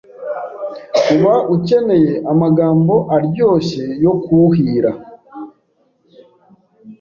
uba ukeneye amagambo aryoshye yo kuwuhira.